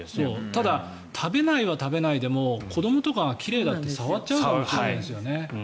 ただ食べないは食べないでも子どもとかが奇麗だって触っちゃうかもしれないですよね。